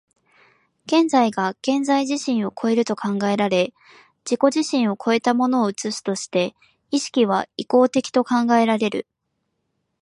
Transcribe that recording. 現在が現在自身を越えると考えられ、自己自身を越えたものを映すとして、意識は志向的と考えられる。